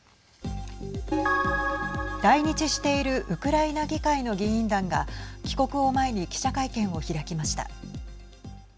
来日しているウクライナ議会の議員団が帰国を前に記者会見を開きました。